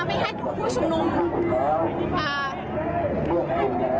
ไม่ให้ผู้ชมลุม